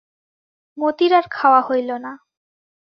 মতির আর খাওয়া হইল না।